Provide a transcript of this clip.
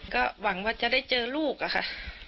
ก็หวังว่าจะได้เจอลูกอะค่ะ